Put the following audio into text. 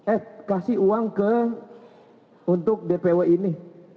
eh kasih uang ke untuk dpw ini